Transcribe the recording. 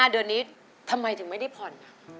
เดือนนี้ทำไมถึงไม่ได้ผ่อน